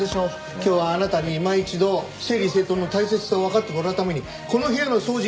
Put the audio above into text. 今日はあなたにいま一度整理整頓の大切さをわかってもらうためにこの部屋の掃除